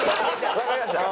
わかりました。